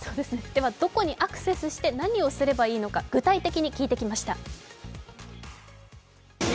では、どこにアクセスしてどうすればいいのか具体的に聞いてきます。